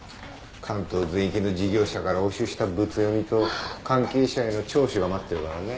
関東全域の事業者から押収したブツ読みと関係者への聴取が待ってるからね。